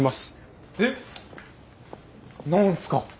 えっ何すか？